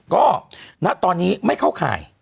ก็ณตอนนี้ไม่เข้าข่าย